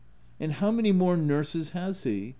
" And how many more nurses has he?